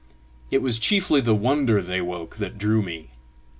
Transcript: It was chiefly the wonder they woke that drew me.